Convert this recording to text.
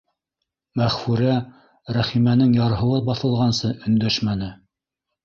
Мәғфүрә Рәхимәнең ярһыуы баҫылғансы өндәшмәне.